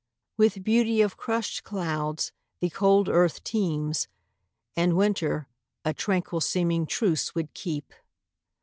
With beauty of crushed clouds the cold earth teems, And winter a tranquil seeming truce would keep.